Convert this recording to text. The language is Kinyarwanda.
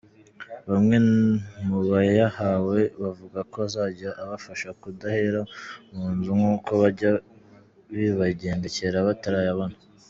Bamwe mu bayahawe bavuga ko azajya abafasha kudahera mu nzu nkuko byajya bibagendekera batarayabona.